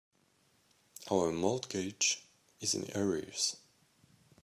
Our mortgage is in arrears.